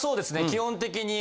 基本的に。